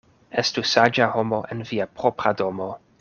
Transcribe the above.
Estu saĝa homo en via propra domo.